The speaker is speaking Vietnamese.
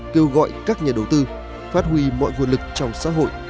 kêu gọi các nhà đầu tư phát huy mọi nguồn lực trong xã hội